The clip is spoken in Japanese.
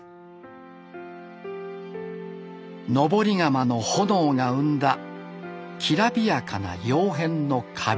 登り窯の炎が生んだきらびやかな窯変の花瓶。